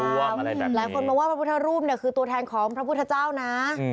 หลายคนมองว่าพระพุทธรูปเนี่ยคือตัวแทนของพระพุทธเจ้านะ